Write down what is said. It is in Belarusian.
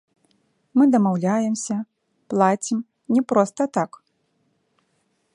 Мы дамаўляемся, плацім, не проста так.